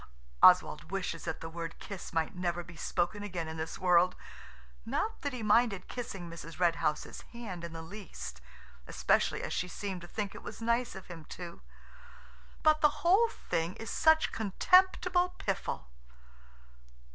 Oswald wishes that the word "kiss" might never be spoken again in this world. Not that he minded kissing Mrs. Red House's hand in the least, especially as she seemed to think it was nice of him to–but the whole thing is such contemptible piffle.